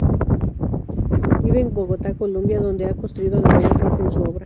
Vive en Bogotá, Colombia, donde ha construido la mayor parte de su obra.